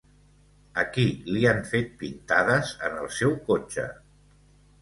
A qui li han fet pintades en el seu cotxe?